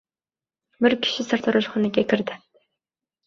Bir kishi sartaroshxonaga kirdi